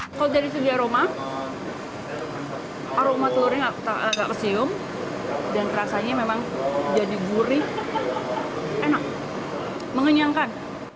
membuatnya agak keseum dan rasanya memang jadi gurih enak mengenyangkan